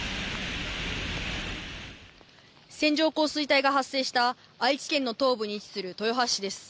線状降水帯が発生した愛知県の東部に位置する豊橋市です。